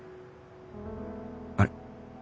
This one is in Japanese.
あれ？